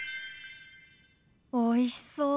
おいしそう。